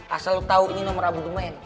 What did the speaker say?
asal lu tau ini nomor abu duman